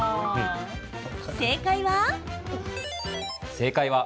正解は。